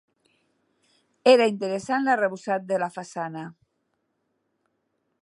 Era interessant l'arrebossat de la façana.